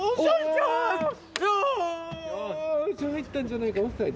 よーし、入ったんじゃないか？